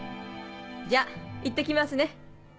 じゃ行って来ますね。